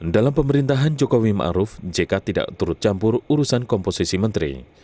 dalam pemerintahan jokowi ma'ruf jk tidak turut campur urusan komposisi menteri